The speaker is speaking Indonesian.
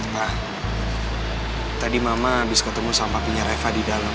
ma tadi mama abis ketemu sampah punya reva di dalam